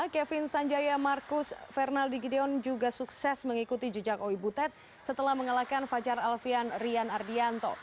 kevin sanjaya marcus fernaldi gideon juga sukses mengikuti jejak owi butet setelah mengalahkan fajar alfian rian ardianto